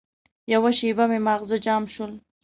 یوه شېبه مې ماغزه جام شول.